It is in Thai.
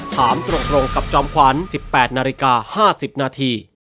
ถามตรงกับจอมขวัญ๑๘นาฬิกา๕๐นาที